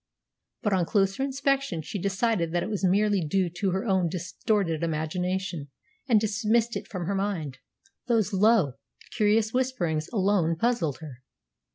But on closer inspection she decided that it was merely due to her own distorted imagination, and dismissed it from her mind. Those low, curious whisperings alone puzzled her.